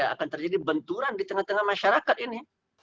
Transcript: akan terjadi benturan di tengah tengah masyarakat ini